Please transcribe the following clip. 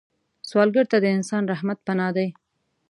سوالګر ته د انسان رحمت پناه ده